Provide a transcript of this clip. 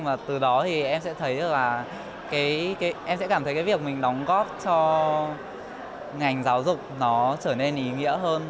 và từ đó thì em sẽ thấy được là em sẽ cảm thấy cái việc mình đóng góp cho ngành giáo dục nó trở nên ý nghĩa hơn